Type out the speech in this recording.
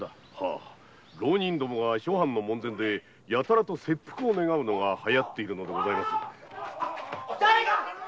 浪人どもが門前でやたらと切腹を願うのが流行っているのでございます。